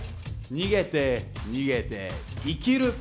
逃げて逃げて生きる！